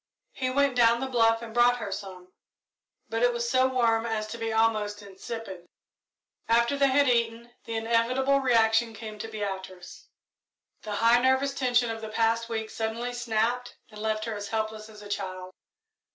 He went down the bluff and brought her some, but it was so warm as to be almost insipid. After they had eaten, the inevitable reaction came to Beatrice. The high nervous tension of the past week suddenly snapped and left her as helpless as a child.